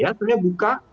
ya sebenarnya buka